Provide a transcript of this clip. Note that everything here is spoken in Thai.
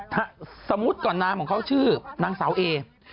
ถ้าสมมุติก่อนนามของเขาชื่อนางสาวเอ